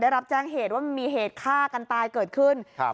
รับแจ้งเหตุว่ามันมีเหตุฆ่ากันตายเกิดขึ้นครับ